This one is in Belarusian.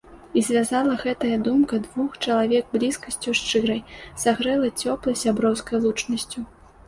І звязала гэтая думка двух чалавек блізкасцю шчырай, сагрэла цёплай сяброўскай лучнасцю.